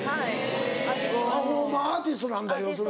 パフォーマーアーティストなんだ要するに。